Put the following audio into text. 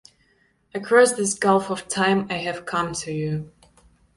Across this gulf of time I have come to you.